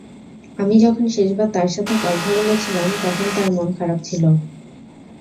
আমি যখন শেষবার তার সাথে কথা বলেছিলাম তখন তার মন খারাপ ছিল।